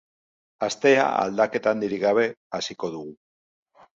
Astea aldaketa handirik gabe hasiko dugu.